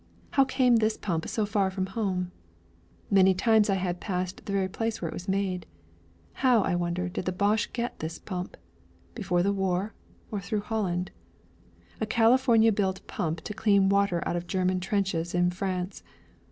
How came this pump so far from home? Many times I had passed the very place where it was made. How, I wonder, did the Boche get this pump? Before the war, or through Holland? A California built pump to clean water out of German trenches, in France!